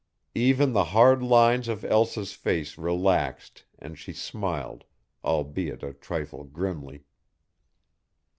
Even the hard lines of Elsa's face relaxed and she smiled, albeit a trifle grimly.